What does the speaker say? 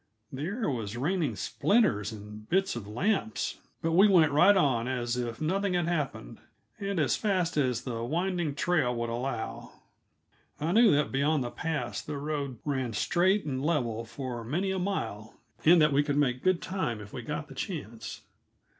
The air was raining splinters and bits of lamps, but we went right on as if nothing had happened, and as fast as the winding trail would allow. I knew that beyond the pass the road ran straight and level for many a mile, and that we could make good time if we got the chance.